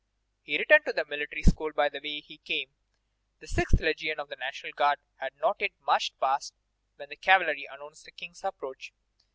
He returned to the Military School by the way he came. The 6th legion of the National Guard had not yet marched past when the cavalry announced the King's approach.